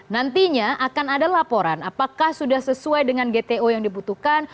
nantinya akan ada laporan apakah sudah sesuai dengan gto yang dibutuhkan